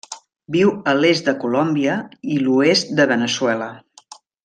Viu a l'est de Colòmbia i l'oest de Veneçuela.